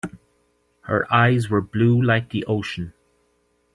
Her eyes were blue like the ocean.